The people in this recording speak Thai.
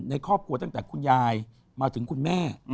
ในครอบครัวตั้งแต่คุณยายมาถึงคุณแม่